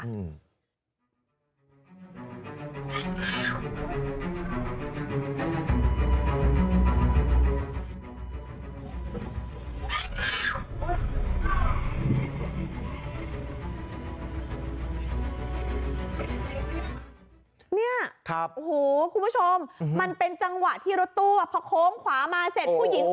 เนี่ยครับโอ้โหคุณผู้ชมมันเป็นจังหวะที่รถตู้พอโค้งขวามาเสร็จผู้หญิง